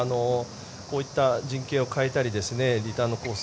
こういった陣形を変えたりリターンのコース